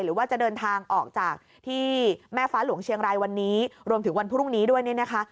หรือว่าจะเดินทางออกจากที่แม่ฟ้าหลวงเชียงรายวันนี้รวมถึงวันพรุ่งนี้ด้วยเนี่ยนะคะ